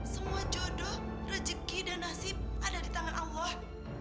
semua jodoh rezeki dan nasib ada di tangan allah